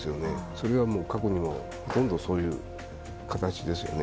それは過去にもほとんどそういう形ですよね。